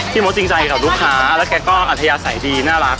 พี่มดจริงใจกับลูกค้าและแก่ก็อธยะใสดีน่ารัก